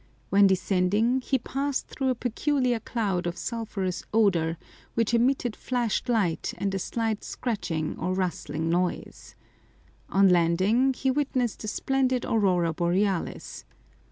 When descending, he passed through a peculiar cloud of sulphurous odour, which emitted flashed light and a slight scratching or rustling noise. On landing, he witnessed a splendid aurora borealis.